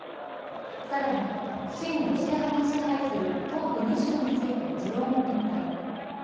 更に親ロシア派が支配する東部２州について持論を展開。